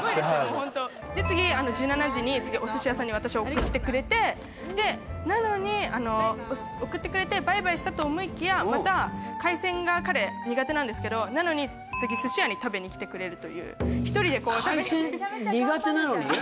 ホントで次１７時にお寿司屋さんに私を送ってくれてでなのに送ってくれてバイバイしたと思いきやまた海鮮が彼苦手なんですけどなのに次寿司屋に食べに来てくれるという一人で海鮮苦手なのに？